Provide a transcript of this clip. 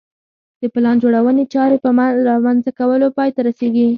د پلان جوړونې چارې په رامنځته کولو پای ته رسېږي.